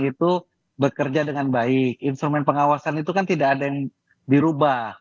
itu bekerja dengan baik instrumen pengawasan itu kan tidak ada yang dirubah